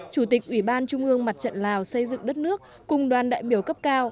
chủ tịch ủy ban trung ương mặt trận lào xây dựng đất nước cùng đoàn đại biểu cấp cao